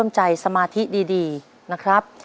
ใจสมาธิดีนะครับ